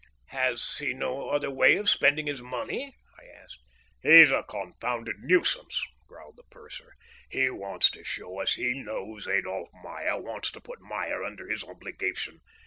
"Has he no other way of spending his money?" I asked. "He's a confounded nuisance!" growled the purser. "He wants to show us he knows Adolph Meyer; wants to put Meyer under an obligation.